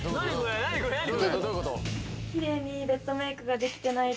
これどういうこと？